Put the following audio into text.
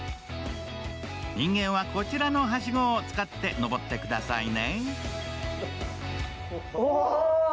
人間はこちらのはしごを使って上ってくださいね。